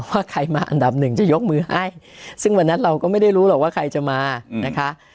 ว่าใครมาอันดับหนึ่งจะยกมือให้ซึ่งวันนั้นเราก็ไม่ได้รู้หรอกว่าใครจะมานะคะ